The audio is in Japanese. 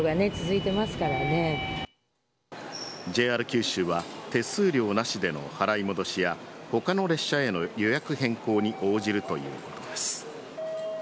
ＪＲ九州は手数料なしでの払い戻しや他の列車への予約変更に応じるということです。